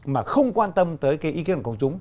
mà không quan tâm tới cái ý kiến của công chúng